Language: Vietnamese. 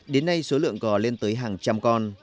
đến nay số lượng gò lên tới hàng trăm con